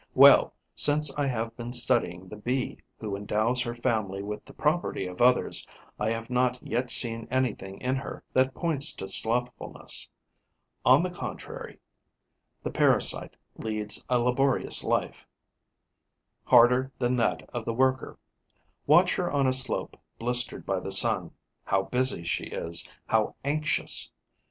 Well, since I have been studying the Bee who endows her family with the property of others, I have not yet seen anything in her that points to slothfulness. On the contrary, the parasite leads a laborious life, harder than that of the worker. Watch her on a slope blistered by the sun. How busy she is, how anxious!